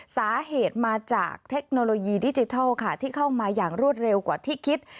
สาเหตุมาจากเทคโนโลยีดิจิทัลค่ะที่เข้ามาอย่างรวดเร็วกว่าที่คิด